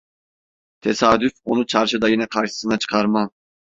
Tesadüf onu çarşıda yine karşısına çıkarman.